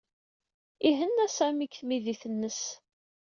Ihenna Sami seg tmidit-nnes.